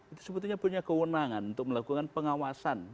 itu sebetulnya punya kewenangan untuk melakukan pengawasan